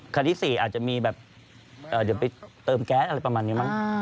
คันที่๔อาจจะมีแบบเดี๋ยวไปเติมแก๊สอะไรประมาณนี้มั้ง